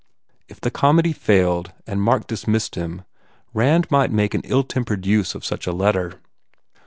If the comedy failed and Mark dismissed him Rand m pht make an ill tempered use of such a letter.